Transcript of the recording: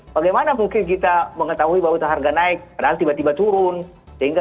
bagaimana mungkin kita mengetahui bahwa itu harga naik padahal tiba tiba turun sehingga